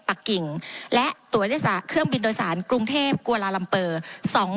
กิ่งและตัวเครื่องบินโดยสารกรุงเทพกวาลาลัมเปอร์๒๕๖